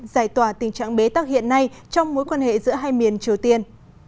giải tỏa tình trạng bế tắc hiện nay trong mối quan hệ giữa hai miền triều tiên